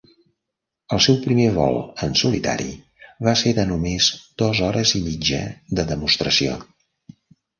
El seu primer vol en solitari va ser de només dos hores i mitja de demostració.